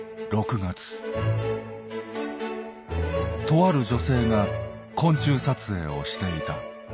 とある女性が昆虫撮影をしていた。